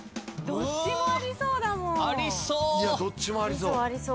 どっちもありそう。